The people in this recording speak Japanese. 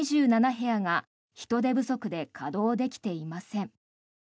部屋が人手不足で稼働できていません。